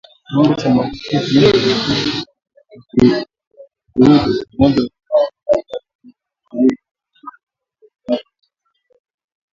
Kiwango cha maambukizi ya ukurutu kwa ngombe hutegemea udhibiti wa vijidudu vya magonjwa